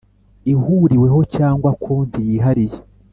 Ihuriweho cyangwa konti yihariye